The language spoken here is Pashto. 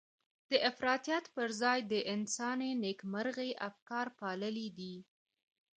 د افراطيت پر ځای د انساني نېکمرغۍ افکار پاللي دي.